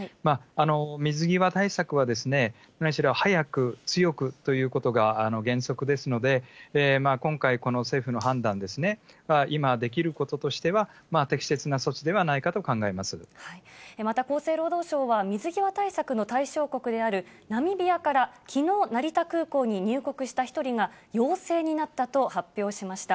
水際対策は、何しろ早く、強くということが原則ですので、今回、この政府の判断ですね、は今できることとしては適切な措置ではなまた厚生労働省は、水際対策の対象国であるナミビアから、きのう、成田空港に入国した１人が、陽性になったと発表しました。